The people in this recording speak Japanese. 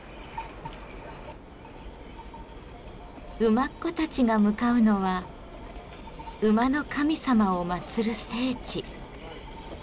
馬コたちが向かうのは馬の神様を祭る聖地。